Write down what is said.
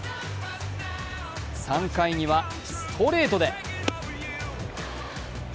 ３回にはストレートで。